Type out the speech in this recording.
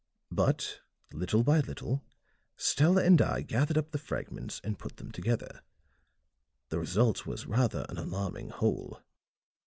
But, little by little, Stella and I gathered up the fragments and put them together; the result was rather an alarming whole.